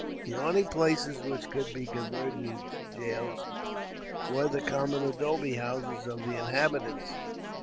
The only places which could be converted into jails, were the common adobe houses of the inhabitants.